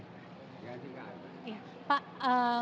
nggak ada tempat pindah